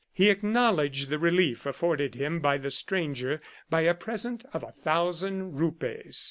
He acknowledged the relief afforded him by the stranger by a present of a thousand rupees.